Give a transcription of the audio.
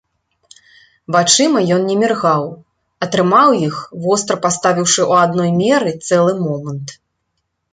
Вачыма ён не міргаў, а трымаў іх, востра паставіўшы ў адной меры цэлы момант.